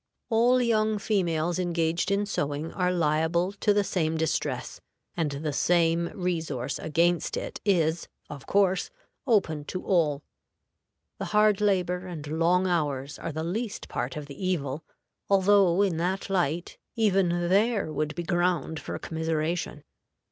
All young females engaged in sewing are liable to the same distress, and the same resource against it is, of course, open to all. The hard labor and long hours are the least part of the evil, although in that light even there would be ground for commiseration.